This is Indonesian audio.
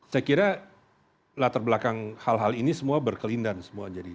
saya kira latar belakang hal hal ini semua berkelindan semua jadi